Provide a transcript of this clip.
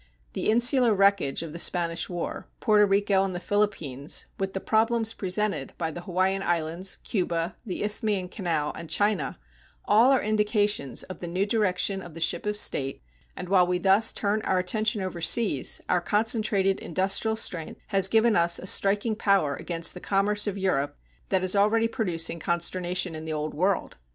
The insular wreckage of the Spanish War, Porto Rico and the Philippines, with the problems presented by the Hawaiian Islands, Cuba, the Isthmian Canal, and China, all are indications of the new direction of the ship of state, and while we thus turn our attention overseas, our concentrated industrial strength has given us a striking power against the commerce of Europe that is already producing consternation in the Old World.